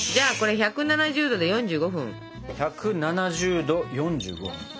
１７０℃４５分！